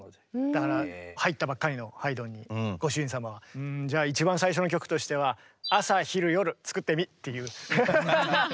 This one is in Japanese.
だから入ったばっかりのハイドンにご主人様は「んじゃあ一番最初の曲としては朝昼夜作ってみ？」っていう。